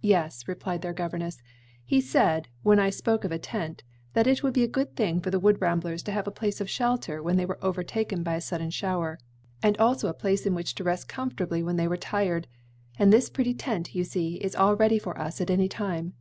"Yes," replied their governess; "he said, when I spoke of a tent, that it would be a good thing for the wood ramblers to have a place of shelter when they were over taken by a sudden shower, and also a place in which to rest comfortably when they were tired; and this pretty tent, you see, is all ready for us at any time."